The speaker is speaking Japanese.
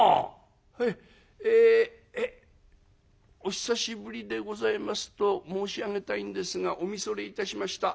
「へいええっお久しぶりでございますと申し上げたいんですがお見それいたしました。